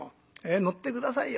乗って下さいよ」。